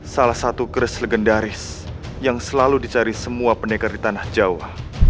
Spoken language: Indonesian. salah satu keris legendaris yang selalu dicari semua pendekar di tanah jawa